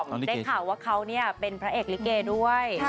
ได้ข่าวว่าเขาเป็นพระเอกลิเกด้วย